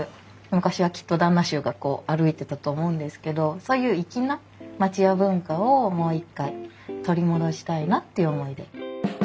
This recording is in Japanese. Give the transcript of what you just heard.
昔はきっと旦那衆が歩いてたと思うんですけどそういう粋な町家文化をもう一回取り戻したいなっていう思いで。